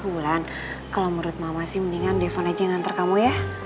wulan kalau menurut mama sih mendingan defon aja yang nganter kamu ya